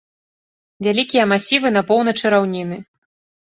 Вялікія масівы на поўначы раўніны.